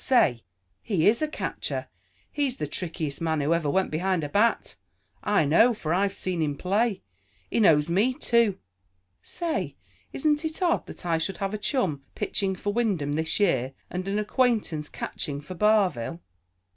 Say, he is a catcher. He's the trickiest man who ever went behind a bat. I know, for I've seen him play. He knows me, too. Say, isn't it odd that I should have a chum pitching for Wyndham this year and an acquaintance catching for Barville?"